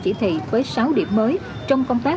chỉ thị với sáu điểm mới trong công tác